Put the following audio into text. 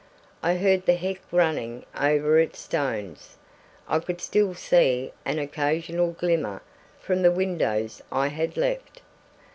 I heard the beck running over its stones. I could still see an occasional glimmer from the windows I had left.